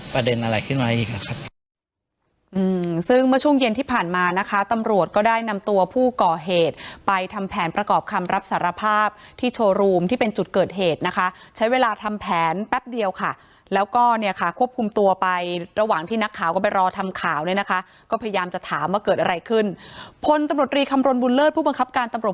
แต่เรื่องตรงนี้มันก็ไม่รู้ว่ามันมีประเด็นอะไรขึ้นมาอีกหรอกครับ